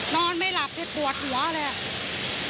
นอนไม่หลับเพราะปวดหัวเลย